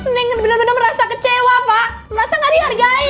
seneng benar benar merasa kecewa pak merasa gak dihargai